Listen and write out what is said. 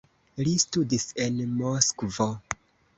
Li studis en Moskvo.